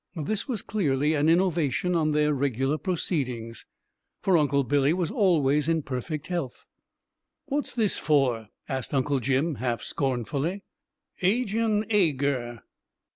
This was clearly an innovation on their regular proceedings, for Uncle Billy was always in perfect health. "What's this for?" asked Uncle Jim half scornfully. "Agin ager."